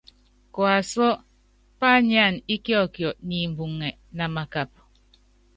Kuasú pányánana íkiɔkiɔ ni imbuŋɛ, namakapa.